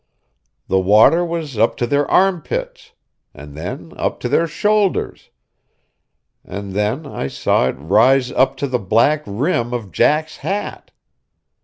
The water was up to their armpits, and then up to their shoulders, and then I saw it rise up to the black rim of Jack's hat.